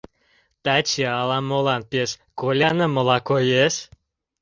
Таче ала-молан пеш колянымыла коеш.